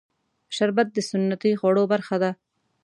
شربت د سنتي خوړو برخه ده